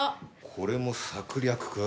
これも策略か？